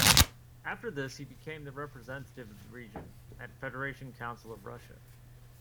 After this he became the representative of the region at Federation Council of Russia.